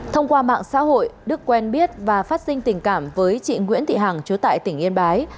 thông qua mạng xã hội đức quen biết và phát sinh tình cảm với chị nguyễn thị hằng chú tại tỉnh yên bái